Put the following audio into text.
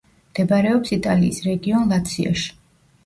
მდებარეობს იტალიის რეგიონ ლაციოში.